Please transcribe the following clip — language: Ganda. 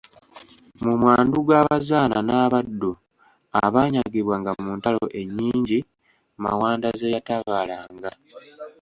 Mu mwandu gw'abazaana n'abaddu abaanyagibwanga mu ntalo ennyingi Mawanda ze yatabaalanga.